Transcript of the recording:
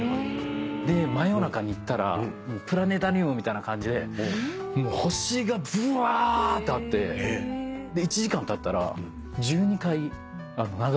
で真夜中に行ったらプラネタリウムみたいな感じで星がぶわーってあって１時間たったら１２回流れ星を見ましたよ。